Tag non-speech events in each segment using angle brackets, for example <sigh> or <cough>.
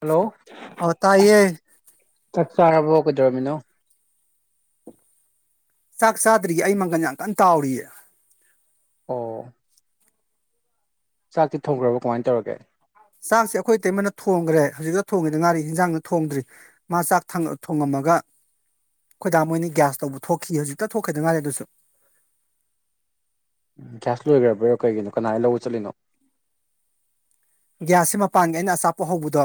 hello ꯑꯣ ꯇꯥꯏꯌꯦ ꯆꯥꯛ ꯆꯥꯔꯕꯣ ꯀꯗꯧꯔꯃꯤꯅꯣ ꯆꯥꯛ ꯆꯥꯗ꯭ꯔꯤꯌꯦ ꯑꯩ ꯃꯪꯒꯟ ꯌꯥꯝ ꯀꯟꯅ ꯇꯥꯎꯔꯤꯌꯦ ꯑꯣ ꯆꯥꯛꯇꯤ ꯊꯣꯡꯒ꯭ꯔꯕ ꯀꯃꯥꯏꯅ ꯇꯧꯔꯒꯦ ꯆꯥꯛꯁꯦ ꯑꯩꯈꯣꯏ ꯇꯩꯃꯅ ꯊꯣꯡꯒ꯭ꯔꯦ ꯍꯧꯖꯤꯛꯇ ꯊꯣꯡꯒꯤꯗ ꯉꯥꯔꯤ ꯍꯤꯟꯖꯥꯡꯅ ꯊꯣꯡꯗ꯭ꯔꯤ ꯃꯥ ꯆꯥꯛ ꯊꯥꯡ ꯊꯣꯡꯉꯝꯃꯒ ꯈꯣꯏꯗꯥ ꯃꯣꯏꯅꯤ ꯒ꯭ꯌꯥꯁ ꯂꯧꯕ ꯊꯣꯛꯈꯤ ꯍꯧꯖꯤꯛꯇ ꯊꯣꯛꯈꯤꯗ ꯉꯥꯏꯔꯤ ꯑꯗꯨꯁꯨ ꯒ꯭ꯌꯥꯁ ꯂꯣꯏꯒ꯭ꯔꯕ꯭ꯔꯔꯣ ꯀꯩꯒꯤꯅꯣ ꯀꯅꯥꯏ ꯆꯠꯂꯤꯅꯣ ꯒ꯭ꯌꯥꯁꯁꯤ ꯃꯄꯥꯟꯒꯤ ꯑꯩꯅ ꯑꯆꯥꯄꯣꯠ ꯍꯧꯕꯗꯣ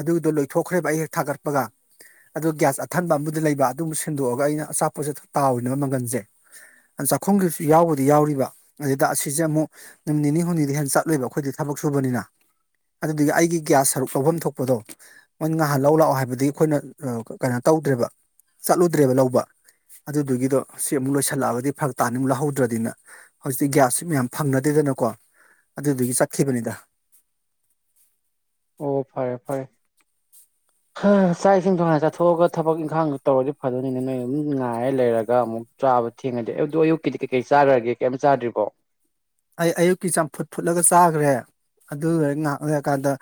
ꯑꯗꯨꯗꯣ ꯂꯣꯏꯊꯣꯛꯈ꯭ꯔꯦꯕ ꯑꯩ ꯍꯦꯛ ꯊꯥꯒꯠꯄꯒ ꯑꯗꯣ ꯒ꯭ꯌꯥꯁ ꯑꯊꯟꯕ ꯑꯝꯕꯨꯗ ꯂꯩꯕ ꯑꯗꯨꯃꯨꯛ ꯁꯤꯟꯗꯣꯛꯑꯒ ꯑꯩꯅ ꯑꯆꯥꯄꯣꯠꯁꯦ ꯇꯥꯎꯏꯅꯦꯕ ꯃꯪꯒꯟꯁꯦ ꯑꯥ ꯆꯥꯛꯈꯨꯝꯒꯤꯁꯨ ꯌꯥꯎꯕꯨꯗꯤ ꯌꯥꯎꯔꯤꯕ ꯑꯗꯨꯗ ꯑꯁꯤꯁꯦ ꯑꯃꯨꯛ ꯅꯨꯃꯤꯠ ꯅꯤꯅꯤ ꯍꯨꯝꯅꯤꯗꯤ ꯍꯦꯟ ꯆꯠꯂꯣꯏꯕ ꯑꯩꯈꯣꯏꯗꯤ ꯊꯛ ꯁꯨꯕꯅꯤꯅ ꯑꯗꯨꯗꯤ ꯑꯩꯒꯤ ꯒ꯭ꯌꯥꯁ ꯁꯔꯨꯛ ꯂꯧꯐꯝ ꯊꯣꯛꯄꯗꯣ ꯃꯣꯏ ꯉꯥꯍꯥꯟ ꯂꯧ ꯂꯥꯛꯑꯣ ꯍꯥꯏꯕꯗꯤ ꯑꯩꯈꯣꯏꯅ ꯑꯥ ꯀꯩꯅꯣ ꯇꯧꯗ꯭ꯔꯦꯕ ꯆꯠꯂꯨꯗ꯭ꯔꯦꯕ ꯂꯧꯕ ꯑꯗꯨꯗꯨꯒꯤꯗꯣ ꯁꯤ ꯑꯃꯨꯛ ꯂꯣꯏꯁꯤꯜꯂꯛꯑꯒꯗꯤ ꯐꯔꯛ ꯇꯥꯅꯤ ꯑꯃꯨꯛ ꯂꯧꯍꯧꯗ꯭ꯔꯗꯤꯅ ꯍꯧꯖꯤꯛꯇꯤ ꯒ꯭ꯌꯥꯁꯁꯤ ꯃꯌꯥꯝ ꯐꯪꯅꯗꯦꯗꯅꯀꯣ ꯑꯗꯨꯗꯒꯤ ꯆꯠꯈꯤꯕꯅꯤꯗ ꯑꯣ ꯐꯔꯦ ꯐꯔꯦ ꯍꯥ ꯆꯥꯛ ꯏꯁꯤꯡ ꯊꯨꯅ ꯆꯥꯊꯣꯛꯑꯒ ꯊꯕꯛ ꯏꯪꯈꯥꯡ ꯇꯧꯔꯗꯤ ꯐꯗꯅꯤꯅꯦ ꯅꯣꯏ ꯑꯗꯨꯝ ꯉꯥꯏꯔꯦ ꯂꯩꯔꯒ ꯑꯃꯨꯛ ꯆꯥꯕ ꯊꯦꯡꯅꯗꯤ ꯑꯗꯨ ꯑꯌꯨꯛꯀꯤꯗꯤ ꯀꯩ ꯀꯩ ꯆꯥꯒ꯭ꯔꯒꯦ ꯀꯩꯝ ꯆꯗ꯭ꯔꯤꯕꯣ ꯑꯩ ꯑꯌꯨꯛꯀꯤ ꯆꯝꯐꯨꯠ ꯐꯨꯠꯂꯒ ꯆꯥꯒ꯭ꯔꯦ ꯑꯗꯨ ꯂꯩꯔꯒ ꯉꯥꯏꯍꯥꯛ ꯂꯩꯔꯀꯥꯟꯗ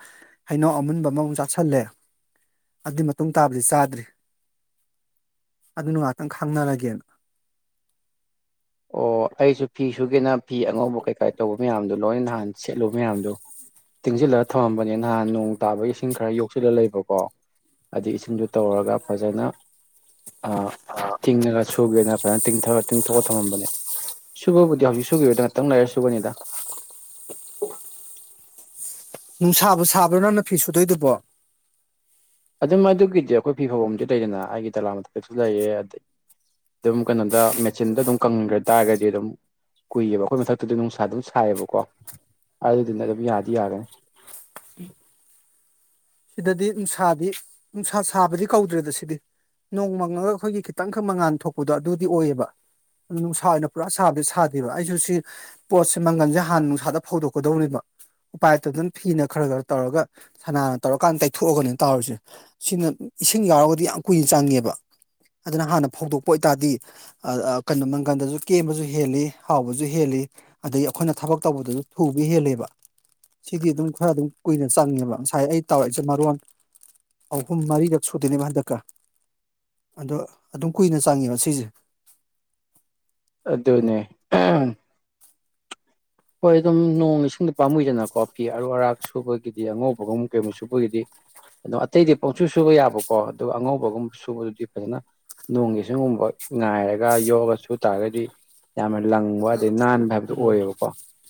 ꯍꯩꯅꯧ ꯑꯃꯨꯟꯕ ꯑꯃꯃꯨꯛ ꯆꯥꯥꯁꯜꯂꯦ ꯑꯗꯨꯏ ꯃꯇꯨꯡ ꯇꯥꯕꯗꯤ ꯆꯥꯗ꯭ꯔꯤ ꯑꯗꯨꯅ ꯉꯍꯥꯛꯇꯪ ꯈꯪꯅꯔꯒꯦꯅ ꯑꯣ ꯑꯩꯁꯨ ꯐꯤ ꯁꯨꯒꯦꯅ ꯐꯤ ꯑꯉꯧꯕ ꯀꯩꯀꯥꯏ ꯇꯧꯕ ꯃꯌꯥꯝꯗꯣ ꯂꯣꯏ ꯅꯍꯥꯟ ꯁꯦꯠꯂꯨꯕ ꯃꯌꯥꯝꯗꯣ ꯇꯤꯡꯁꯤꯜꯂꯒ ꯊꯝꯔꯝꯕꯅꯦ ꯅꯍꯥꯟ ꯅꯣꯡ ꯇꯥꯕ ꯏꯁꯤꯡ ꯈꯔ ꯌꯣꯛꯁꯤꯜꯂ ꯂꯩꯕꯀꯣ ꯑꯩ ꯏꯁꯤꯡꯁꯨ ꯇꯧꯔꯒ ꯐꯖꯅ ꯑ ꯇꯤꯡꯉꯒ ꯁꯨꯒꯦꯅ ꯐꯖꯅ ꯇꯤꯡꯊꯔ ꯇꯤꯡꯊꯣꯛꯑ ꯊꯝꯃꯝꯕꯅꯦ ꯁꯨꯕꯕꯨꯗꯤ ꯍꯧꯖꯤꯛ ꯁꯨꯈꯤꯕꯗ ꯉꯥꯛꯇꯪ ꯂꯩꯔ ꯁꯨꯒꯅꯤꯗ ꯅꯨꯡꯁꯥꯕꯨ ꯁꯥꯕ꯭ꯔꯥ ꯅꯪꯅ ꯐꯤ ꯁꯨꯗꯣꯏꯗꯨꯕꯣ ꯑꯗꯨꯝ ꯑꯗꯨꯒꯤꯗꯤ ꯑꯩꯈꯣꯏ ꯐꯤ ꯐꯧꯕꯝ ꯂꯩꯗꯅ ꯑꯩꯒꯤ ꯗꯣꯂꯥꯜ ꯃꯊꯥꯛꯁꯨ ꯂꯩꯔꯦ ꯑꯗꯩ ꯑꯗꯨꯝ ꯀꯩꯅꯣꯗ ꯃꯦꯆꯤꯟꯗ ꯑꯗꯨꯝ ꯀꯪꯈ꯭ꯔ ꯇꯥꯔꯒꯗꯤ ꯑꯗꯨꯝ ꯀꯨꯏꯌꯦꯕ ꯑꯩꯈꯣꯏ ꯃꯊꯛꯇꯨꯗ ꯅꯨꯡꯁꯥ ꯑꯗꯨꯝ ꯁꯥꯏꯌꯦꯕꯀꯣ ꯑꯗꯨꯗꯨꯅ ꯑꯗꯨꯝ ꯌꯥꯗꯤ ꯌꯥꯒꯅꯤ ꯁꯤꯗꯗꯤ ꯅꯨꯡꯁꯥꯗꯤ ꯅꯨꯡꯁꯥ ꯁꯥꯕꯗꯤ ꯀꯧꯗ꯭ꯔꯦꯗ ꯁꯤꯗꯤ ꯅꯣꯡꯃꯪꯉꯒ ꯑꯩꯈꯣꯏꯒꯤ ꯈꯤꯇꯪ ꯈꯚ ꯃꯉꯥꯟ ꯊꯣꯛꯄꯗꯣ ꯑꯗꯨꯗꯤ ꯑꯣꯏꯌꯦꯕ ꯅꯨꯡꯁꯥ ꯑꯣꯏꯅ ꯄꯨꯔꯥ ꯁꯥꯕꯗꯤ ꯁꯥꯗꯦꯕ ꯑꯩꯁꯨ ꯁꯤ ꯄꯣꯠꯁꯦ ꯃꯪꯒꯜꯁꯦ ꯍꯥꯟꯅ ꯅꯨꯡꯁꯥꯗ ꯐꯧꯗꯣꯛꯀꯗꯧꯅꯦꯕ ꯎꯄꯥꯏꯇ ꯑꯗꯨꯅ ꯐꯤꯅ ꯈꯔ ꯈꯔ ꯇꯧꯔꯒ ꯁ ꯇꯧꯔꯀꯥꯟꯗ ꯇꯩꯊꯣꯛꯑꯒꯅꯦ ꯇꯧꯔꯤꯁꯦ ꯁꯤꯅ ꯏꯁꯤꯡ ꯌꯥꯎꯔꯒꯗꯤ ꯌꯥꯝ ꯀꯨꯏꯅ ꯆꯪꯉꯦꯕ ꯑꯗꯨꯅ ꯍꯥꯟꯅ ꯐꯧꯗꯣꯛꯄ ꯑꯣꯏꯇꯥꯔꯗꯤ ꯑꯥ ꯑꯥꯥ ꯀꯩꯅꯣ ꯃꯪꯒꯜꯗꯁꯨ ꯀꯦꯝꯕꯁꯨ ꯍꯦꯜꯂꯤ ꯍꯥꯎꯕꯁꯨ ꯍꯦꯜꯂꯤ ꯑꯗꯒꯤ ꯑꯩꯈꯣꯏꯅ ꯊꯕꯛ ꯇꯧꯕꯗꯁꯨ ꯊꯨꯕ ꯍꯦꯜꯂꯦꯕ ꯁꯤꯗꯤ ꯑꯗꯨꯝ ꯈꯔ ꯑꯗꯨꯝ ꯀꯨꯏꯅ ꯆꯪꯉꯦꯕ ꯉꯁꯥꯏ ꯑꯩ ꯇꯧꯔꯦꯁꯦ ꯃꯔꯣꯟ ꯑꯍꯨꯝ ꯃꯔꯤꯔꯛ ꯁꯨꯗꯣꯏꯅꯦꯕ ꯍꯟꯗꯛꯀ ꯑꯗꯣ ꯑꯗꯨꯝ ꯀꯨꯏꯅ ꯆꯪꯉꯦꯕ ꯁꯤꯁꯦ ꯑꯗꯨꯅꯦ ꯍꯣꯏ ꯑꯗꯨꯝ ꯅꯣꯡ ꯏꯁꯤꯡꯗꯤ ꯄꯥꯝꯃꯨꯏꯗꯅꯀꯣ ꯐꯤ ꯑꯔꯨ ꯑꯔꯥꯛ ꯁꯨꯕꯒꯤꯗꯤ ꯑꯉꯧꯕꯒ ꯀꯩꯒꯨꯝꯕ ꯁꯨꯕꯒꯤꯗꯤ ꯑꯗꯣ ꯑꯇꯩꯗꯤ ꯄꯥꯡꯁꯨ ꯁꯨꯕ ꯌꯥꯕꯀꯣ ꯑꯗꯨꯒ ꯑꯉꯧꯕꯒꯨꯝ ꯁꯨꯕꯗꯨꯗꯤ ꯐꯖꯅ ꯅꯣꯡꯒꯤ ꯏꯁꯤꯒꯨꯝꯕ ꯉꯥꯏꯔꯒ ꯌꯣꯛꯑꯒ ꯁꯨ ꯇꯥꯔꯒꯗꯤ ꯌꯥꯝꯅ ꯂꯪꯕ ꯑꯗꯩ ꯅꯥꯟꯕ ꯍꯥꯏꯕꯗꯨ ꯑꯣꯏꯌꯦꯕꯀꯣ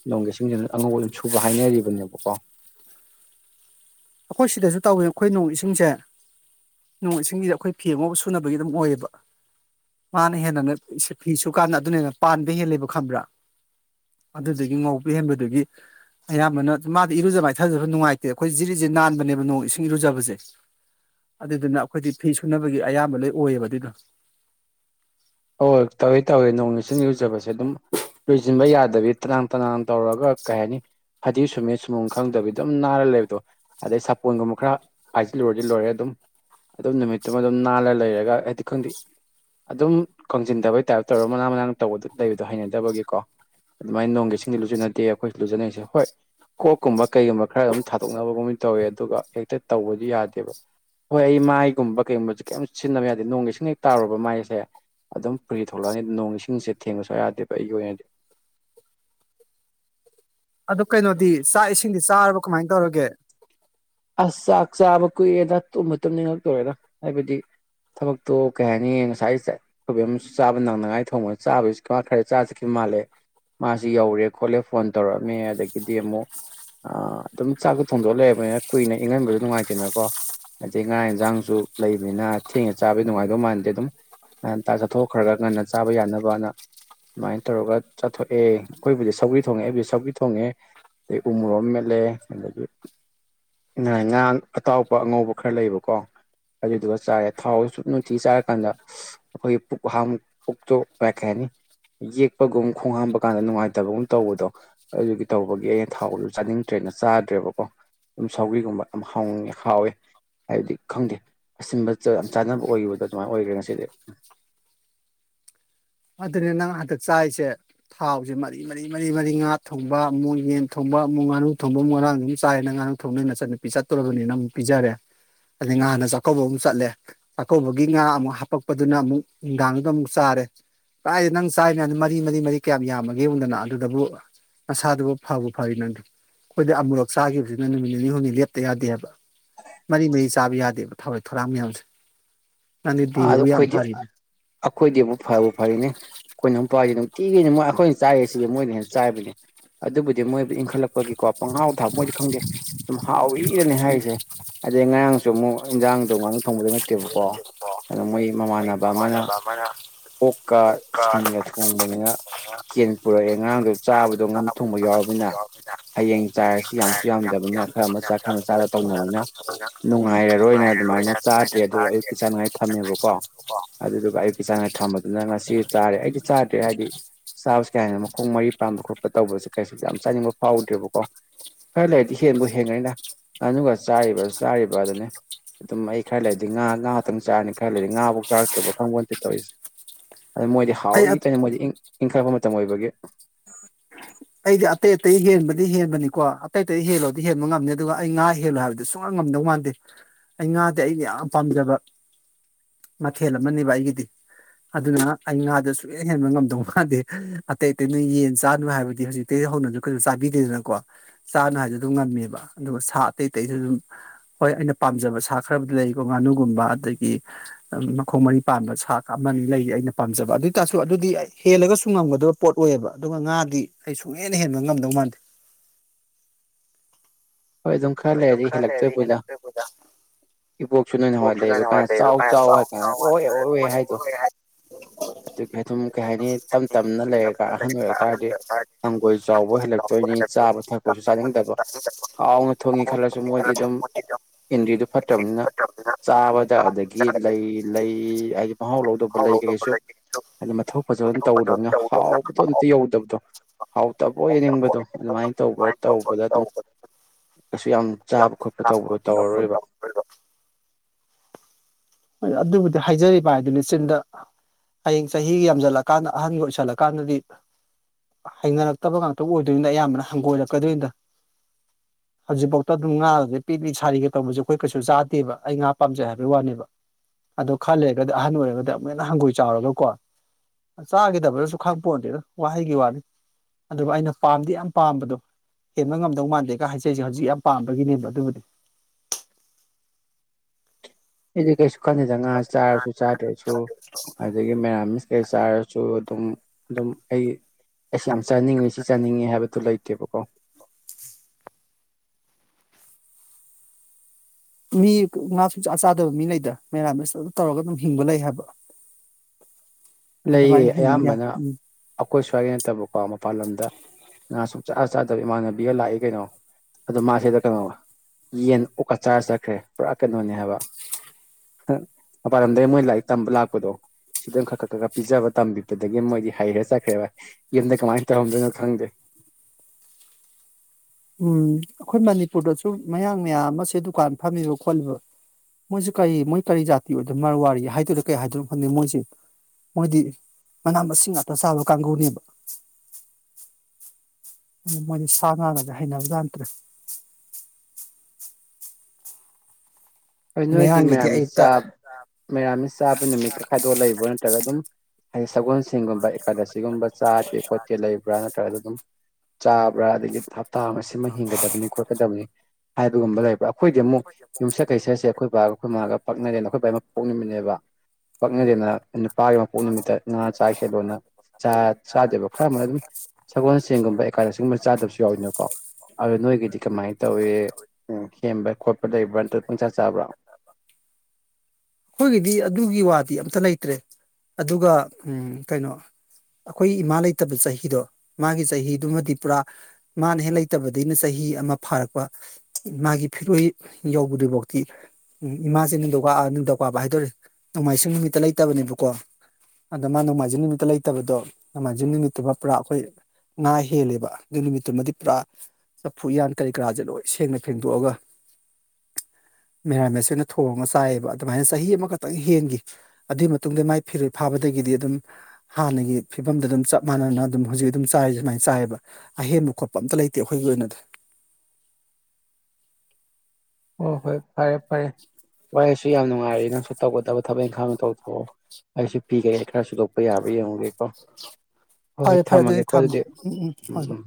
ꯅꯣꯡꯒꯤ ꯏꯁꯤꯡꯁꯤꯅ ꯑꯉꯧꯕ ꯁꯨꯕ ꯍꯥꯏꯅꯔꯤꯕꯅꯦꯕꯀꯣ ꯑꯩꯈꯣꯏ ꯁꯤꯗꯁꯨ ꯇꯧꯏ ꯑꯩꯈꯣꯏ ꯅꯣꯡ ꯏꯁꯤꯡꯁꯦ ꯅꯣꯡ ꯏꯁꯤꯡꯁꯦ ꯑꯩꯈꯣꯏ ꯐꯤ ꯑꯉꯧꯕ ꯁꯨꯅꯕꯒꯤ ꯑꯗꯨꯝ ꯑꯣꯏꯌꯦꯕ ꯃꯥꯅ ꯍꯦꯟꯅ ꯐꯤꯁꯨ ꯀꯥꯟꯗ ꯑꯗꯨꯅꯦꯅ ꯄꯥꯟꯕ ꯍꯦꯜꯂꯦꯕ ꯈꯪꯕ꯭ꯔꯥ ꯑꯗꯨꯗꯨꯒꯤ ꯉꯧꯕ ꯍꯦꯟꯕꯗꯨꯒꯤ ꯑꯌꯥꯝꯕꯅ ꯃꯥꯗꯤ ꯏꯔꯨꯖ ꯃꯥꯏꯊꯖꯕ ꯅꯨꯡꯉꯥꯏꯇꯦ ꯑꯩꯈꯣꯏ ꯖꯤꯔꯤ ꯁꯤ ꯅꯥꯟꯕꯅꯦꯕ ꯅꯣꯡ ꯏꯁꯤꯡ ꯏꯔꯨꯖꯕꯁꯦ ꯑꯗꯨꯗꯨꯅ ꯑꯩꯈꯣꯏꯗꯤ ꯐꯤ ꯁꯨꯅꯕꯒꯤ ꯑꯌꯥꯝꯕ ꯂꯣꯏ ꯑꯣꯏꯌꯦꯕ ꯑꯗꯨꯏꯗꯣ ꯍꯣꯏ ꯇꯧꯋꯦ ꯇꯧꯋꯦ ꯅꯣꯡ ꯏꯁꯤꯡ ꯂꯨꯖꯕꯁꯦ ꯑꯗꯨꯝ ꯂꯣꯏꯁꯤꯟꯕ ꯌꯥꯗꯕꯤ ꯇꯅꯥꯡ ꯇꯅꯥꯡ ꯇꯧꯔꯒ ꯀꯩ ꯍꯥꯏꯅꯤ ꯐꯗꯤ ꯁꯨꯝꯃꯦ ꯁꯨꯕꯥꯝ ꯈꯪꯗꯕꯤ ꯑꯗꯨꯝ ꯅꯥꯔ ꯂꯩꯕꯗꯣ ꯑꯗꯩ ꯁꯥꯄꯣꯟꯒꯨꯝꯕ ꯈꯔ ꯍꯥꯏꯖꯤꯜꯂꯨꯔꯗꯤ ꯂꯣꯏꯔꯦ ꯑꯗꯨꯝ ꯑꯗꯨꯝ ꯅꯨꯃꯤꯠꯇꯨꯃ ꯑꯗꯨꯝ ꯅꯥꯜꯂ ꯂꯩꯔꯒ ꯍꯥꯏꯗꯤ ꯈꯪꯗꯦ ꯑꯗꯨꯝ ꯀꯪꯁꯤꯟꯗꯕꯩ ꯇꯥꯏꯞ ꯇꯧꯔ ꯃꯅꯥ ꯃꯅꯥꯟ ꯇꯧꯕꯗꯨ ꯂꯩꯕ ꯍꯩꯅꯗꯕꯒꯤꯀꯣ ꯑꯗꯨꯃꯥꯏꯅ ꯅꯣꯡꯒꯤ ꯏꯁꯤꯡꯗꯤ ꯂꯨꯖꯟꯅꯗꯦ ꯑꯩꯈꯣꯏꯁꯨ ꯂꯨꯖꯟꯅꯔꯤꯁꯦ ꯍꯣꯏ ꯀꯣꯛꯀꯨꯝꯕ ꯀꯩꯒꯨꯝꯕ ꯈꯔ ꯑꯗꯨꯝ ꯊꯥꯗꯣꯛꯅꯕꯒꯨꯝ ꯇꯧꯋꯦ ꯑꯗꯨꯒ ꯍꯦꯛꯇ ꯇꯧꯕꯗꯤ ꯌꯥꯗꯦꯕ ꯍꯣꯏ ꯑꯩ ꯃꯥꯏꯒꯨꯝꯕ ꯀꯩꯒꯨꯝꯕꯁꯦ ꯀꯩꯝꯇ ꯁꯤꯖꯤꯟꯅꯕ ꯌꯥꯗꯦ ꯅꯣꯡ ꯏꯁꯤꯡ ꯍꯦꯛ ꯇꯥꯔꯨꯔꯕ ꯃꯥꯏꯁꯦ ꯑꯗꯨꯝ ꯐꯨꯔꯤ ꯊꯣꯛꯂꯛꯑꯅꯤ ꯅꯣꯡ ꯏꯁꯤꯡꯁꯦ ꯊꯦꯡꯕꯁꯨ ꯌꯥꯗꯦꯕ ꯑꯩꯒꯤ ꯑꯣꯏꯅꯗꯤ ꯑꯗꯨ ꯀꯩꯅꯣꯗꯤ ꯆꯥꯛ ꯏꯁꯤꯡꯗꯤ ꯆꯥꯔꯕ ꯀꯃꯥꯏꯟ ꯇꯧꯔꯒꯦ ꯑꯁ ꯆꯥꯛ ꯆꯥꯕ ꯀꯨꯏꯔꯦ ꯇꯨꯝꯕꯨ ꯇꯨꯅꯤꯡꯉꯛꯇꯧꯔꯦꯗ ꯍꯥꯏꯕꯗꯤ ꯊꯕꯛꯇꯣ ꯀꯩꯍꯥꯏꯅꯤ ꯉꯁꯥꯏ ꯆꯠ ꯑꯈꯣꯏꯕꯦꯝꯃꯁꯨ ꯆꯥꯕ ꯅꯪꯅꯉꯥꯏ ꯊꯣꯡꯕ ꯆꯥ ꯂꯣꯏꯔ ꯀꯥ ꯈꯔ ꯆꯥꯔ ꯆꯠꯈꯤꯕ ꯃꯥꯜꯂꯦ ꯃꯥꯖꯦ ꯌꯧꯔꯦ ꯈꯣꯠꯂꯦ ꯐꯣꯟ ꯇꯧꯔꯛꯑꯝꯃꯦ ꯑꯗꯒꯤꯗꯤ ꯑꯃꯨꯛ ꯑꯥ ꯑꯗꯨꯝ ꯆꯥꯛꯇꯣ ꯊꯣꯡꯗꯣꯛꯑꯒ ꯂꯩꯔꯕꯅꯤꯅ ꯀꯨꯏꯅ ꯏꯪꯍꯟꯕꯁꯨ ꯅꯨꯡꯉꯥꯏꯇꯦꯅꯀꯣ ꯑꯗꯩ ꯉꯥꯔꯥꯡ ꯏꯟꯖꯥꯡꯁꯨ ꯂꯩꯕꯅꯤꯅ ꯊꯦꯡꯅ ꯆꯥꯕ ꯅꯨꯡꯉꯥꯏꯗꯧ ꯃꯥꯟꯗꯦ ꯑꯗꯨꯝ ꯉꯥꯟꯇꯥ ꯆꯠꯊꯣꯛꯈ꯭ꯔꯒ ꯉꯟꯅ ꯆꯥꯕ ꯌꯥꯅꯕꯅ ꯁꯨꯃꯥꯏꯟ ꯇꯧꯔꯒ ꯆꯥꯊꯣꯛꯑꯦ ꯑꯩꯈꯣꯏꯕꯨꯗꯤ ꯁꯧꯒ꯭ꯔꯤ ꯊꯣꯡꯉꯦ ꯑꯩꯕꯨꯗꯤ ꯁꯧꯒ꯭ꯔꯤ ꯊꯣꯡꯉꯦ <unintelligible> ꯃꯣꯔꯣꯛ ꯑꯃ ꯃꯦꯠꯂꯦ ꯑꯗꯒꯤ ꯉꯔꯥꯡ ꯉꯥꯡ ꯑꯇꯥꯎꯕ ꯑꯉꯧꯕ ꯈꯔ ꯂꯩꯕꯀꯣ ꯑꯗꯨꯗꯨꯒ ꯆꯥꯔꯦ ꯊꯥꯎꯖꯨ ꯁꯨꯕ ꯅꯨꯡꯇꯤ ꯆꯥꯔꯀꯥꯟꯗ ꯑꯩꯈꯣꯏꯒꯤ ꯄꯨꯛ ꯍꯥꯡ ꯄꯨꯛꯇꯣ ꯀꯩ ꯍꯥꯏꯅꯤ ꯌꯦꯛꯄꯒꯨꯝ ꯈꯣꯡ ꯍꯥꯝꯕ ꯀꯥꯟꯗ ꯅꯨꯡꯉꯥꯏꯇꯕꯒꯨꯝ ꯇꯧꯕꯗꯣ ꯑꯗꯨꯗꯨꯒꯤ ꯇꯧꯕꯒꯤ ꯑꯩꯅ ꯊꯥꯎꯗꯨ ꯆꯥꯅꯤꯡꯗ꯭ꯔꯦꯅ ꯆꯥꯗ꯭ꯔꯦꯕꯀꯣ ꯑꯗꯨꯝ ꯁꯧꯒ꯭ꯔꯤꯒꯨꯝꯕ ꯑꯝ ꯍꯥꯎꯋꯤ ꯍꯥꯎꯋꯦ ꯍꯥꯏꯕꯗꯤ ꯈꯪꯗꯦ ꯑꯁꯤꯟꯕ ꯆꯥ ꯌꯝ ꯆꯥꯟꯅꯕ ꯑꯣꯏꯒꯤꯕꯗꯣ ꯑꯗꯨꯃꯥꯏꯅ ꯑꯣꯏꯒ꯭ꯔꯦ ꯉꯁꯤꯗꯤ ꯑꯗꯨꯅꯤ ꯅꯪ ꯍꯟꯗꯛ ꯆꯥꯏꯁꯦ ꯊꯥꯎꯖꯦ ꯃꯔꯤ ꯃꯔꯤ ꯃꯔꯤ ꯃꯔꯤ ꯉꯥ ꯊꯣꯡꯕ ꯑꯃꯨꯛ ꯌꯦꯟ ꯊꯣꯡꯕ ꯑꯃꯨꯛ ꯉꯥꯅꯨ ꯊꯣꯡꯕ ꯑꯃꯨꯛ ꯉꯔꯥꯡꯗꯒꯤ ꯑꯗꯨꯝ ꯆꯥꯏꯌꯦꯅ <unintelligible> ꯅꯣꯏ ꯅꯆꯜꯅꯨꯄꯤ ꯆꯠꯇꯣꯔꯕꯅꯤꯅ ꯑꯃꯨꯛ ꯄꯤꯖꯔꯦ ꯑꯗꯩ ꯉꯍꯥꯟꯅ ꯆꯥꯛꯀꯧꯕ ꯑꯃꯨꯛ ꯆꯠꯂꯦ ꯆꯥꯛꯀꯧꯕꯒꯤ ꯉꯥ ꯑꯃꯨꯛ ꯍꯥꯞꯄꯛꯄꯗꯨꯅ ꯑꯃꯨꯛ ꯅꯨꯡꯗꯥꯡꯗꯨꯗ ꯑꯃꯨꯛ ꯆꯥꯔꯦ ꯀꯥꯔꯥꯏꯗꯩ ꯅꯪ ꯆꯥꯔꯤ ꯃꯌꯥꯝꯗꯣ ꯃꯔꯤ ꯃꯔꯤ ꯃꯔꯤ ꯀꯌꯥꯝ ꯌꯥꯝꯃꯒꯦ ꯌꯦꯡꯉꯣꯗꯅ ꯑꯗꯨꯗꯕꯨ ꯅꯁꯥꯗꯨꯕꯨ ꯐꯥꯕꯨ ꯐꯥꯔꯤ ꯅꯪꯗꯤ ꯑꯩꯈꯣꯏꯗꯤ ꯑꯃꯨꯔꯛ ꯆꯥꯒꯤꯕꯖꯤꯅ ꯅꯨꯃꯤꯠ ꯅꯤꯅꯤ ꯍꯨꯝꯅꯤ ꯂꯦꯞꯇ ꯌꯥꯗꯦ ꯍꯥꯏꯕ ꯃꯔꯤ ꯃꯔꯤ ꯆꯥꯕ ꯌꯥꯗꯦꯕ ꯊꯥꯎꯔꯦꯛ ꯊꯧꯔꯥꯡ ꯃꯌꯥꯝꯁꯦ ꯅꯪꯗꯤ ꯑꯥꯗꯣ ꯗꯤꯍꯦꯕꯨ ꯌꯥꯝ ꯑꯩꯈꯣꯏꯗꯤ ꯐꯔꯤ ꯑꯩꯈꯣꯏꯗꯤ ꯑꯃꯨꯛ ꯐꯕꯨ ꯐꯔꯤꯅꯦ ꯑꯩꯈꯣꯏꯅ ꯑꯃꯨꯛ ꯄꯥꯏꯗꯤ ꯅꯨꯡꯇꯤꯒꯤꯅꯤ ꯃꯣꯏ ꯑꯩꯈꯣꯏ ꯆꯥꯏꯌꯦ ꯁꯤꯗꯤ ꯃꯣꯏꯅ ꯍꯦꯟꯅ ꯆꯥꯏꯕꯅꯦ ꯑꯗꯨꯕꯨꯗꯤ ꯃꯣꯏꯕꯨ ꯏꯟꯈꯠꯂꯛꯄꯒꯤꯀꯣ ꯄꯪꯍꯥꯎꯇꯥ ꯍꯥꯎ ꯃꯣꯏꯗꯤ ꯈꯪꯗꯦ ꯑꯗꯨꯝ ꯍꯥꯎꯏꯗꯅꯦ ꯍꯥꯏꯔꯤꯖꯦ ꯑꯗꯩ ꯉꯔꯥꯡꯁꯨ ꯑꯃꯨꯛ ꯏꯟꯖꯥꯡꯗꯣ ꯉꯥꯅꯨ ꯊꯣꯡꯕꯗ ꯅꯠꯇꯦꯕꯀꯣ ꯑꯗꯣ ꯃꯣꯏ ꯃꯃꯥꯟꯅꯕ ꯑꯃꯅ ꯑꯣꯛꯀꯥ ꯁꯟꯒ ꯊꯣꯡꯕꯅꯤꯅ ꯀꯦꯟ ꯄꯨꯔꯛꯑꯦ ꯉꯔꯥꯡꯗꯣ ꯆꯥꯕꯗꯣ ꯉꯥꯅꯨ ꯊꯣꯡꯕ ꯌꯥꯎꯔꯕꯅꯤꯅ ꯍꯌꯦꯡ ꯆꯥꯔꯁꯤ ꯌꯥꯝꯁꯨ ꯌꯥꯝꯗꯕꯅꯤꯅ ꯈꯔ ꯃꯆꯥ ꯈꯔ ꯃꯥ ꯆꯥꯗ ꯇꯧꯅꯕꯅꯤꯅ ꯅꯨꯡꯉꯥꯏꯔꯔꯣꯏꯅ ꯑꯗꯨꯃꯥꯏꯅ ꯆꯥꯗ꯭ꯔꯦ ꯑꯗꯨꯒ ꯑꯌꯨꯛꯀꯤ ꯆꯥꯅꯉꯥꯏ ꯊꯝꯃꯦꯕꯀꯣ ꯑꯗꯨꯗꯨꯒ ꯑꯌꯨꯛꯀꯤ ꯆꯥꯅꯤꯉꯥꯏ ꯊꯝꯕꯗꯨꯅ ꯉꯁꯤ ꯆꯥꯔꯦ ꯑꯩꯗꯤ ꯆꯥꯗ꯭ꯔꯦ ꯍꯥꯏꯗꯤ ꯆꯥꯕꯁꯦ ꯀꯥ ꯍꯥꯏꯅ ꯃꯈꯣꯡ ꯃꯔꯤ ꯄꯥꯟꯕ ꯈꯣꯠꯄ ꯇꯧꯕꯁꯦ ꯀꯩꯁꯨ ꯌꯥꯝ ꯆꯥꯅꯤꯡꯕ ꯐꯥꯎꯗ꯭ꯔꯦꯕꯀꯣ ꯈꯔ ꯂꯩꯥꯔꯗꯤ ꯍꯦꯟꯕꯨ ꯍꯦꯟꯒꯔꯥꯅꯤꯗ ꯉꯥꯅꯨꯒ ꯆꯥꯔꯤꯕ ꯆꯥꯔꯤꯕ ꯑꯗꯨꯅꯤ ꯑꯗꯨꯝ ꯑꯩ ꯈꯔ ꯂꯩꯔꯗꯤ ꯉꯥ ꯉꯥꯇꯪ ꯆꯥꯔꯅꯤ ꯈꯔ ꯂꯩꯔꯗꯤ ꯉꯥꯕꯨꯛ ꯆꯥꯔꯛꯇꯕ꯭ꯔꯥ ꯈꯪ ꯕꯣꯟꯇꯦ ꯇꯧꯔꯤꯁꯦ ꯑꯗꯣ ꯃꯣꯏꯗꯤ ꯑꯩ ꯍꯥꯎꯏ ꯇꯥꯅꯤ ꯃꯣꯏꯗꯤ ꯏꯪ ꯏꯪꯈꯠꯂꯛꯄ ꯃꯇꯝ ꯑꯣꯏꯕꯒꯤ <inaudible> ꯑꯩꯗꯤ ꯑꯇꯩ ꯑꯇꯩ ꯍꯦꯟꯕꯗꯤ ꯍꯦꯟꯕꯅꯤꯀꯣ ꯑꯇꯩ ꯑꯇꯩ ꯍꯦꯜꯂꯣꯗꯤ ꯍꯦꯟꯕ ꯉꯝꯅꯤ ꯑꯗꯨꯒ ꯑꯩ ꯉꯥ ꯍꯦꯜꯂꯣ ꯍꯥꯏꯕ ꯑꯗꯨ ꯁꯨꯡꯉꯝ ꯉꯝꯗꯧ ꯃꯥꯟꯗꯦ ꯑꯩ ꯉꯥꯗꯤ ꯑꯩꯅ ꯌꯥꯝ ꯄꯥꯝꯖꯕ ꯃꯊꯦꯜ ꯑꯃꯅꯦꯕ ꯑꯩꯒꯤꯗꯤ ꯑꯗꯨꯅ ꯑꯩ ꯉꯥꯗ ꯁꯨꯛꯍꯦꯟ ꯍꯦꯟꯕ ꯉꯝꯗꯧ ꯃꯥꯥꯟꯗꯦ ꯑꯇꯩ ꯑꯇꯩ ꯅꯣꯏ ꯌꯦꯟ ꯆꯥꯅꯨ ꯍꯥꯏꯕꯗꯤ ꯍꯧꯖꯤꯛꯇꯩ ꯍꯧꯅꯖꯨ ꯀꯩꯖꯨ ꯆꯥꯕꯤꯗꯦꯗꯅꯀꯣ ꯆꯥꯅꯨ ꯍꯥꯏꯖꯨ ꯑꯗꯨꯝ ꯉꯝꯃꯦꯕ ꯑꯗꯨꯒ ꯁꯥ ꯑꯇꯩ ꯑꯇꯩꯗꯖꯨ ꯍꯣꯏ ꯑꯩꯅ ꯄꯥꯝꯖꯕ ꯁꯥ ꯈꯔꯕꯨꯗꯤ ꯂꯩꯀꯣ ꯉꯥꯅꯨꯒꯨꯝꯕ ꯑꯗꯒꯤ ꯃꯈꯣꯡ ꯃꯔꯤ ꯄꯥꯟꯕ ꯁꯥ ꯑꯃꯅꯤ ꯂꯩ ꯑꯩꯅ ꯄꯥꯝꯖꯕ ꯑꯗꯨ ꯑꯣꯏ ꯇꯔꯁꯨ ꯑꯗꯨꯗꯤ ꯍꯦꯜꯂꯒꯁꯨ ꯉꯝꯒꯗ ꯄꯣꯠ ꯑꯣꯏꯌꯦꯕ ꯑꯗꯨꯒ ꯉꯥꯗꯤ ꯑꯩ ꯁꯨꯡꯍꯦꯟ ꯍꯦꯟꯕ ꯉꯝꯗꯧ ꯃꯥꯟꯗꯦ ꯍꯣꯏ ꯑꯗꯨꯝ ꯈꯔ ꯂꯩꯔꯗꯤ ꯍꯦꯜꯂꯛꯇꯣꯏꯕꯗ ꯏꯕꯣꯛ ꯁꯨ ꯅꯣꯏ ꯅꯍꯥꯟꯋꯥꯏ ꯂꯩꯕ ꯀꯥꯟꯗ ꯆꯥꯎ ꯆꯥꯎ ꯍꯥꯏ ꯀꯥꯟ ꯑꯣꯑꯦ ꯑꯣꯑꯦ ꯍꯥꯏꯗꯣ ꯑꯗꯨꯝ ꯐꯦꯊꯨꯝ ꯀꯩ ꯍꯥꯏꯅꯤ ꯇꯝ ꯇꯝꯅ ꯂꯩꯔꯒ ꯑꯍꯟ ꯑꯣꯏꯔꯛꯇꯥꯥꯔꯗꯤ ꯍꯪꯒꯣꯏ ꯆꯥꯎꯕ ꯍꯦꯜꯂꯛꯇꯣꯏꯅꯤ ꯆꯥꯕ ꯊꯛꯄꯁꯨ ꯆꯥꯅꯤꯡꯗꯕ ꯍꯥꯎꯅ ꯊꯣꯡꯉꯦ ꯈꯜꯂꯁꯨ ꯃꯣꯏꯗꯤ ꯑꯗꯨꯝ ꯏꯟꯗ꯭ꯔꯤꯗꯨ ꯐꯠꯇ꯭ꯔꯝꯅꯤꯅ ꯆꯥꯕꯗ ꯑꯗꯒꯤ ꯂꯩ ꯂꯩ ꯍꯥꯏꯗꯤ ꯃꯍꯥꯎ ꯂꯧꯗꯧꯕ ꯂꯩ ꯀꯩꯀꯩꯁꯨ ꯑꯗ ꯃꯊꯧ ꯐꯖꯅ ꯇꯧꯗꯕꯅꯤꯅ ꯍꯥꯎꯕꯗꯣ ꯑꯝꯇ ꯌꯧꯗꯕꯗꯣ ꯍꯥꯎꯇꯕꯣꯏ ꯅꯤꯡꯕꯗꯣ ꯑꯗꯨꯃꯥꯏꯟ ꯇꯧꯕ ꯇꯧꯕꯗ ꯑꯗꯨꯝ ꯀꯩꯁꯨ ꯌꯥꯝ ꯆꯥꯕ ꯈꯣꯠꯄ ꯇꯧꯕ ꯇꯧꯔꯔꯣꯏꯕ <unintelligible> ꯍ ꯑꯗꯨꯕꯨꯗꯤ ꯍꯥꯏꯖꯔꯤꯕ ꯍꯥꯏꯗꯨꯅꯦ ꯆꯤꯟꯗ ꯍꯌꯦꯡ ꯆꯍꯤꯒ ꯌꯥꯝꯖꯜꯂꯀꯥꯟꯗ ꯑꯍꯟꯒꯤ ꯑꯣꯏꯁꯜꯂꯀꯥꯟꯗꯗꯤ ꯍꯩꯅꯔꯛꯇꯕ ꯉꯥꯛꯇ ꯑꯣꯏꯗꯣꯏꯅꯤꯅ ꯑꯌꯥꯝꯕꯅ ꯍꯪꯒꯣꯏꯔꯛꯀꯗꯣꯏꯅꯤꯗ <inaudible> ꯍꯧꯖꯤꯛꯐꯥꯎꯗ ꯑꯗꯨꯝ ꯉꯥꯒꯁꯦ ꯄꯦꯠꯂꯤ ꯁꯥꯔꯤꯒ ꯇꯧꯕꯁꯦ ꯑꯩꯈꯣꯏ ꯀꯩꯁꯨ ꯆꯥꯗꯦꯕ ꯑꯩ ꯉꯥ ꯄꯥꯝꯖꯩ ꯍꯥꯏꯕꯩ ꯋꯥꯅꯦꯕ ꯑꯗꯣ ꯈꯔ ꯂꯩꯔꯒꯗꯤ ꯑꯍꯟ ꯑꯣꯏꯔꯒꯗꯤ ꯑꯃꯨꯛ ꯍꯦꯟꯅ ꯍꯪꯒꯣꯏ ꯆꯥꯎꯔꯒ ꯀꯣ ꯆꯥꯒꯤꯗꯕꯔꯁꯨ ꯈꯪꯄꯣꯟꯇꯦꯗ ꯋꯥꯍꯩꯒꯤ ꯋꯥꯅꯤ ꯑꯗꯨꯕꯨ ꯑꯩꯅ ꯄꯥꯝꯗꯤ ꯌꯥꯝ ꯄꯥꯝꯕꯗꯣ ꯍꯦꯟꯕ ꯉꯝꯗꯧ ꯃꯥꯟꯗꯦꯒ ꯍꯥꯏꯖꯔꯤꯁꯦ ꯍꯧꯖꯤꯛ ꯌꯥꯝ ꯄꯥꯝꯕꯒꯤꯅꯦꯕ ꯑꯗꯨꯕꯨꯗꯤ ꯑꯩꯗꯤ ꯀꯩꯁꯨ ꯈꯟꯗꯦꯗ ꯉꯥ ꯆꯥꯔꯁꯨ ꯆꯥꯗ꯭ꯔꯁꯨ ꯑ ꯗꯒꯤ ꯃꯦꯔꯥꯃꯤꯁ ꯀꯩ ꯆꯥꯔꯁꯨ ꯑꯗꯨꯝ ꯑꯗꯨꯝ ꯑꯩ ꯑꯁ ꯌꯥꯝ ꯆꯥꯅꯤꯡꯉꯦ ꯁꯤ ꯆꯥꯅꯤꯡꯉꯦ ꯍꯥꯏꯕꯗꯨ ꯂꯩꯇꯦꯕꯀꯣ ꯃꯤ ꯉꯥ ꯁꯨꯡꯆꯥꯥ ꯆꯥꯗꯕ ꯃꯤ ꯂꯩꯗ ꯃꯦꯔꯥꯃꯦꯁ ꯑꯗꯨꯝ ꯇꯧꯔꯒ ꯑꯗꯨꯝ ꯍꯤꯡꯕ ꯂꯩ ꯍꯥꯏꯕ ꯂꯩꯌꯦ ꯑꯗꯨꯃꯥꯏꯅ ꯍꯤꯡꯕ ꯌꯥꯏ ꯑꯌꯥꯝꯕꯅ ꯎꯝ ꯑꯩꯈꯣꯏ ꯁ꯭ꯋꯥꯏꯒꯤ ꯅꯠꯇꯕꯀꯣ ꯃꯄꯥꯟ ꯂꯝꯗ ꯉꯥ ꯁꯨꯡꯆꯥ ꯆꯥꯗꯕ ꯏꯃꯥꯟꯅꯕꯤꯒ ꯂꯥꯛꯏ ꯀꯩꯅꯣ ꯑꯗꯣ ꯃꯥꯁꯦꯗ ꯀꯩꯅꯣ ꯌꯦꯟ ꯑꯣꯛꯀ ꯆꯥꯔ ꯆꯠꯈ꯭ꯔꯦ ꯄꯨꯔꯥ ꯀꯩꯅꯣꯅꯦ ꯍꯥꯏꯕ ꯃꯄꯥꯟ ꯂꯝꯗꯩ ꯃꯣꯏ ꯂꯥꯏꯔꯤꯛ ꯇꯝꯕ ꯂꯥꯛꯄꯗꯣ ꯁꯤꯗꯗꯨꯝ ꯈꯈꯈꯒ ꯄꯤꯖꯕ ꯇꯝꯕꯤꯕꯗꯒꯤ ꯃꯣꯏꯗꯤ ꯍꯩꯔ ꯆꯠꯈ꯭ꯔꯦꯕ ꯌꯨꯝꯗ ꯀꯃꯥꯏ ꯇꯧꯔꯝꯗꯣꯏꯅꯣ ꯈꯪꯗꯦ ꯎꯝ ꯑꯩꯈꯣꯏ ꯃꯅꯤꯄꯨꯔꯗꯁꯨ ꯃꯌꯥꯡ ꯃꯌꯥꯝꯃ ꯁꯤꯗ ꯗꯨꯀꯥꯟ ꯐꯝꯃꯤꯕ ꯈꯣꯠꯂꯤꯕ ꯃꯣꯏꯖꯤ ꯀꯔꯤ ꯃꯣꯏ ꯀꯔꯤ ꯖꯥꯇꯤ ꯑꯣꯏꯗꯣꯏ ꯃꯔꯋꯥꯔꯤ ꯍꯥꯏꯗꯣꯏꯔ ꯀꯩ ꯍꯥꯏꯗꯣꯏꯅꯣ ꯈꯪꯗꯦ ꯃꯣꯏꯁꯦ ꯃꯣꯏꯗꯤ ꯃꯅꯥ ꯃꯁꯤꯡ ꯉꯥꯛꯇ ꯆꯥꯕ ꯀꯥꯡꯒꯨꯅꯦꯕ ꯑꯗꯨ ꯃꯣꯏꯗꯤ ꯁꯥ ꯉꯥꯒꯁꯤ ꯍꯩꯅꯖꯥꯠ ꯅꯠꯇ꯭ꯔꯦ ꯍꯣꯏ ꯅꯣꯏꯗꯤ ꯃꯌꯥꯡꯒꯤꯗꯤ ꯃꯦꯔꯥꯃꯤꯁ ꯑꯌꯨꯛꯇ ꯆꯥ ꯃꯦꯔꯥꯃꯤꯁ ꯆꯥꯕ ꯅꯨꯃꯤꯠꯀ ꯈꯥꯏꯗꯣꯛꯑ ꯂꯩꯕ꯭ꯔꯥ ꯅꯠꯇ꯭ꯔꯒ ꯑꯗꯨꯝ ꯍꯥꯏꯗꯤ ꯁꯒꯣꯜꯁꯦꯝ ꯒꯨꯝꯕ ꯑꯦꯀꯥꯗꯁꯤꯒꯨꯝꯕ ꯆꯥꯗꯦ ꯈꯣꯠꯇꯦ ꯂꯩꯕ꯭ꯔꯥ ꯅꯠꯇ꯭ꯔꯒ ꯑꯗꯨꯝ ꯆꯥꯕ꯭ꯔꯥ ꯑꯗꯒꯤ ꯊꯞ ꯇꯥꯃ ꯁꯤꯃ ꯍꯦꯟꯒꯗꯕꯅꯤ ꯈꯣꯠꯀꯗꯕꯅꯤ ꯍꯥꯏꯕꯒꯨꯝꯕ ꯂꯩꯕ꯭ꯔꯥ ꯑꯩꯈꯣꯏꯗꯤ ꯑꯃꯨꯛ ꯌꯨꯝꯁ ꯀꯩꯁꯁꯦ ꯑꯩꯈꯣꯏꯕꯥꯒ ꯑꯩꯈꯣꯏꯃꯥꯒ ꯄꯥꯛꯅꯗꯦꯅ ꯑꯩꯈꯣꯏ ꯕꯥꯏ ꯃꯄꯣꯛ ꯅꯨꯡꯃꯤꯠꯅꯦꯕ ꯄꯛꯅꯗꯦꯅ ꯅꯨꯄꯥꯒꯤ ꯃꯄꯣꯛ ꯅꯨꯃꯤꯠꯇ ꯉꯥ ꯆꯥ ꯍꯦꯂꯣꯅ ꯆꯥ ꯆꯥꯗꯦꯕ ꯈꯔ ꯑꯃꯅ ꯑꯗꯨꯝ ꯁꯒꯣꯜꯁꯦꯜꯒꯨꯝꯕ ꯑꯦꯀꯥꯗꯁꯤꯒꯨꯝꯕ ꯆꯥꯗꯕꯁꯨ ꯌꯥꯎꯋꯤꯅꯀꯣ ꯑꯗꯣ ꯅꯣꯏꯒꯤꯗꯤ ꯀꯃꯥꯏꯟ ꯇꯧꯋꯤ ꯍꯦꯟꯕ ꯈꯣꯠꯄ ꯂꯩꯕ꯭ꯔꯥ ꯅꯠꯇ꯭ꯔ ꯄꯪꯆꯥꯥ ꯆꯥꯕ꯭ꯔꯥ ꯑꯩꯈꯣꯏꯒꯤꯗꯤ ꯑꯗꯨꯒꯤ ꯋꯥꯗꯤ ꯑꯝꯇ ꯂꯩꯇ꯭ꯔꯦ ꯑꯗꯨꯒ ꯎꯝ ꯀꯩꯅꯣ ꯑꯩꯈꯣꯏ ꯏꯃꯥ ꯂꯩꯇꯕ ꯆꯍꯤꯗꯣ ꯃꯥꯒꯤ ꯆꯍꯤꯗꯨꯃꯗꯤ ꯄꯨꯔꯥ ꯃꯥꯅ ꯍꯦꯛ ꯂꯩꯇꯕꯗꯒꯤꯅ ꯆꯍꯤ ꯑꯃ ꯐꯥꯔꯛꯄ ꯃꯥꯒꯤ ꯐꯤꯔꯣꯏ ꯌꯧꯕꯗꯨꯐꯥꯎꯇꯤ ꯎꯝ ꯏꯃꯥꯁꯦ ꯅꯤꯡꯗꯧꯀ ꯅꯤꯡꯗꯧ <unintelligible> ꯍꯥꯏꯗꯣꯔꯦ ꯅꯣꯡꯃꯥꯏꯖꯤꯡ ꯅꯨꯃꯤꯠꯇ ꯂꯩꯇꯕꯅꯦꯕꯀꯣ ꯑꯗꯣ ꯃꯥ ꯅꯣꯡꯃꯥꯏꯖꯤꯡ ꯅꯨꯃꯤꯠꯇ ꯂꯩꯇꯕꯗꯣ ꯅꯣꯡꯃꯥꯏꯖꯤꯡ ꯅꯨꯃꯤꯠꯇꯨꯃ ꯄꯨꯔꯥ ꯑꯩꯈꯣꯏ ꯉꯥ ꯍꯦꯜꯂꯦꯕ ꯑꯗꯨ ꯅꯨꯃꯤꯇꯨꯃꯗꯤ ꯄꯨꯔꯥ ꯆꯐꯨ ꯎꯌꯥꯟ ꯀꯔꯤ ꯀꯔꯥꯁꯦ ꯂꯣꯏ ꯁꯦꯡꯅ ꯐꯦꯡꯗꯣꯛꯑꯒ ꯃꯦꯔꯥꯃꯦꯁ ꯑꯣꯏꯅ ꯊꯣꯡꯉ ꯆꯥꯏꯑꯦꯕ ꯑꯗꯨꯃꯥꯏꯅ ꯆꯍꯤ ꯑꯃꯈꯛꯇꯪ ꯍꯦꯟꯈꯤ ꯑꯗꯨꯢ ꯃꯇꯨꯡꯗ ꯃꯥꯏ ꯐꯤꯔꯣꯏ ꯐꯥꯕꯗꯒꯤꯗꯤ ꯑꯗꯨꯝ ꯍꯥꯟꯅꯒꯤ ꯐꯤꯕꯝꯗ ꯑꯗꯨꯝ ꯆꯞ ꯃꯥꯟꯅꯅ ꯑꯗꯨꯝ ꯍꯧꯖꯤꯛ ꯑꯗꯨꯝ ꯆꯥꯏꯌꯦ ꯁꯨꯃꯥꯏꯅ ꯆꯥꯏꯌꯦꯕ ꯑꯍꯦꯟꯕ ꯈꯣꯠꯄ ꯑꯝꯇ ꯂꯩꯇꯦ ꯑꯩꯈꯣꯏꯒꯤ ꯑꯣꯏꯅꯗꯤ ꯑꯣ ꯍꯣꯏ ꯐꯔꯦ ꯐꯔꯦ ꯋꯥꯔꯤꯁꯤ ꯌꯥꯝ ꯅꯨꯡꯉꯥꯏꯔꯤ ꯅꯪꯁꯨ ꯇꯧꯒꯗꯕ ꯊꯕꯛ ꯏꯪꯈꯥꯡ ꯇꯧꯊꯣꯛꯑꯣ ꯑꯩꯁꯨ ꯐꯤꯒꯩ ꯈꯔ ꯁꯨꯗꯣꯛꯄ ꯌꯥꯕ ꯌꯦꯡꯉꯨꯒꯦꯀꯣ ꯍꯣꯏ ꯍꯣꯏ ꯐꯔꯦ ꯐꯔꯦ ꯊꯝꯃꯒꯦꯀꯣ ꯊꯝꯃꯣ ꯑꯗꯨꯗꯤ ꯎꯝ ꯍꯣꯏ ꯍꯣꯏ ꯎꯝ ꯎꯝ